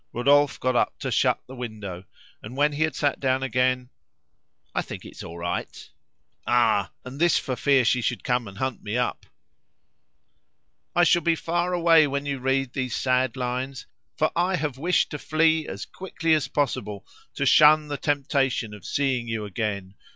Rodolphe got up to, shut the window, and when he had sat down again "I think it's all right. Ah! and this for fear she should come and hunt me up." "I shall be far away when you read these sad lines, for I have wished to flee as quickly as possible to shun the temptation of seeing you again.